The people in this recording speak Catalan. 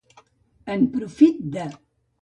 En profit de.